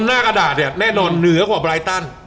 หน้ากระดาษเนี่ยแน่นอนเหนือกว่าไรตัน